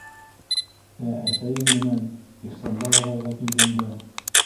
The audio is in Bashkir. Ә әсәйем менән Ихсанбай ағайға килгәндә...